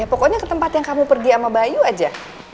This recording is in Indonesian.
pokoknya ke tempat yang kamu pergi sama bayu aja